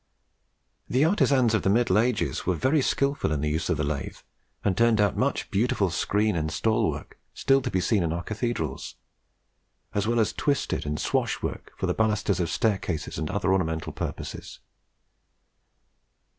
The artisans of the Middle Ages were very skilful in the use of the lathe, and turned out much beautiful screen and stall work, still to be seen in our cathedrals, as well as twisted and swash work for the balusters of staircases and other ornamental purposes.